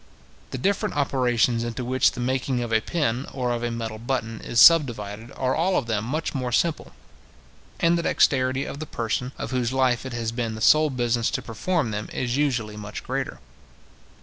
The different operations into which the making of a pin, or of a metal button, is subdivided, are all of them much more simple, and the dexterity of the person, of whose life it has been the sole business to perform them, is usually much greater.